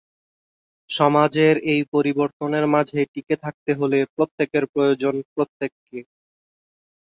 সমাজের এই পরিবর্তনের মাঝে টিকে থাকতে হলে প্রত্যেকের প্রয়োজন প্রত্যেককে।